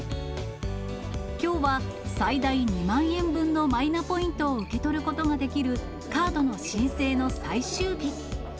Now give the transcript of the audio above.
きょうは最大２万円分のマイナポイントを受け取ることができる、カードの申請の最終日。